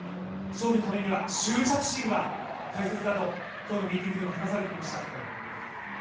勝利のためには執着心が大切だと今日のミーティングでも話されていました。